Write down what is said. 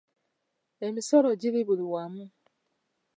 Emisolo giri buli wamu.